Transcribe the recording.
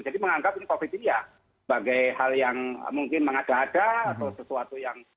jadi menganggap covid ini ya sebagai hal yang mungkin mengada ada atau sesuatu yang